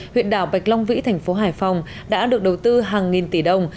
huyện đảo bạch long vĩ thành phố hải phòng đã được đầu tư hàng nghìn tỷ đồng